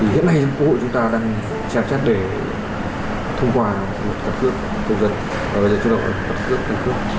hiện nay quốc hội chúng ta đang chạm chát để thông qua một cặp cước công dân và bây giờ chúng ta có một cặp cước cặp cước